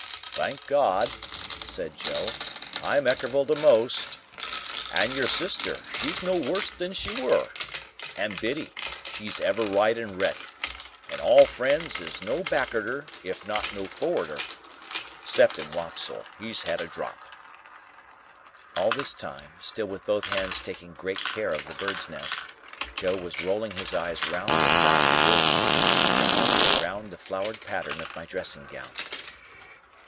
"Thank God," said Joe, "I'm ekerval to most. And your sister, she's no worse than she were. And Biddy, she's ever right and ready. And all friends is no backerder, if not no forarder. 'Ceptin Wopsle; he's had a drop." All this time (still with both hands taking great care of the bird's nest), Joe was rolling his eyes round and round the room, and round and round the flowered pattern of my dressing gown.